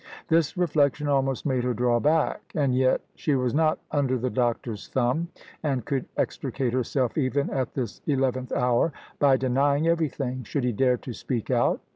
This reflection almost made her draw back. As yet, she was not under the doctor's thumb, and could extricate herself even at this eleventh hour by denying everything, should he dare to speak out.